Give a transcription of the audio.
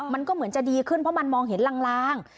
มันก็เหมือนจะดีขึ้นเพราะมันมองเห็นลาง